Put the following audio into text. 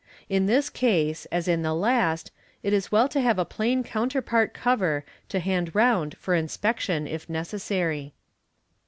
In this case, as in the last, it is well to have a plain counterpart cover to hand round for inspection if necessary.